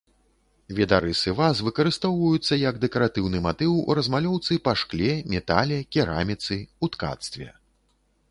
Відарысы ваз выкарыстоўваюцца як дэкаратыўны матыў у размалёўцы па шкле, метале, кераміцы, у ткацтве.